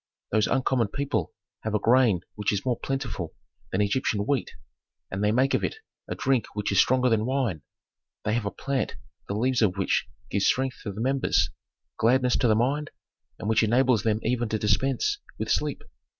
"Those uncommon people have a grain which is more plentiful than Egyptian wheat, and they make of it a drink which is stronger than wine. They have a plant the leaves of which give strength to the members, gladness to the mind, and which enables them even to dispense with sleep.